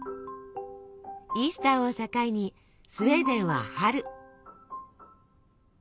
イースターを境にスウェーデンは春。